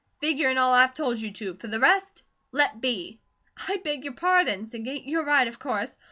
Figure in all I've told you to; for the rest let be!" "I beg your pardon," said Kate. "You're right, of course.